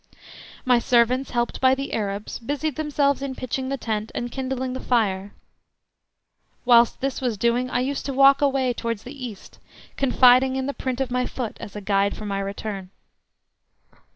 My servants, helped by the Arabs, busied themselves in pitching the tent and kindling the fire. Whilst this was doing I used to walk away towards the east, confiding in the print of my foot as a guide for my return.